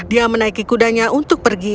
dia menaiki kudanya untuk pergi